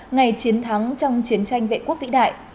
ngày chiến thắng trong chiến tranh vệ quốc vĩ đại